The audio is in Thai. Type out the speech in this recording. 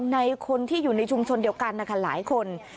ในคนที่อยู่ในชุมชนเดียวกันนะคะหลายคน